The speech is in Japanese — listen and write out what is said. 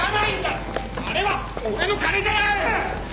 あれは俺の金じゃない！